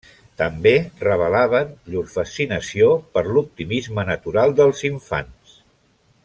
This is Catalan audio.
També revelaven llur fascinació per l'optimisme natural dels infants.